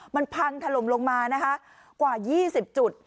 มันพังถล่มลงมานะคะกว่า๒๐จุด